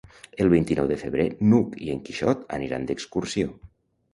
El vint-i-nou de febrer n'Hug i en Quixot aniran d'excursió.